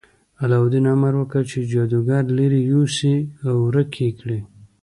علاوالدین امر وکړ چې جادوګر لرې یوسي او ورک یې کړي.